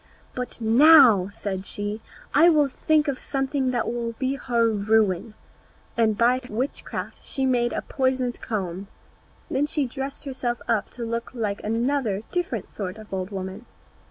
"But now," said she, "I will think of something that will be her ruin." And by witchcraft she made a poisoned comb. Then she dressed herself up to look like another different sort of old woman.